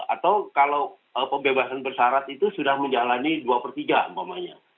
atau kalau pembebasan bersarat itu sudah menjalani dua per tiga umpamanya